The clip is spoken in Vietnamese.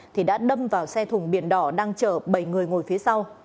thì đã đâm vào xe thùng biển đỏ đang chở bảy người ngồi phía sau